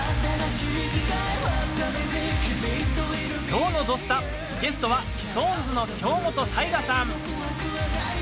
きょうの「土スタ」ゲストは、ＳｉｘＴＯＮＥＳの京本大我さん。